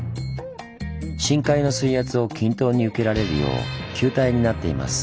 深海の水圧を均等に受けられるよう球体になっています。